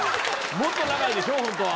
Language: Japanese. もっと長いでしょ、本当は。